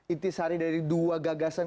inti sari dari dua gagasan